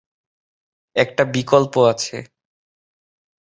একটা বিকল্প আছে।